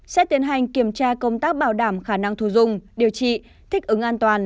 sẽ tiến hành kiểm tra công tác bảo đảm khả năng thu dung điều trị thích ứng an toàn